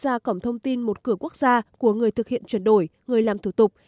thông qua cổng thông tin một cửa quốc gia của người thực hiện chuyển đổi người làm thủ tục